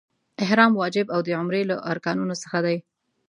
احرام واجب او د عمرې له ارکانو څخه دی.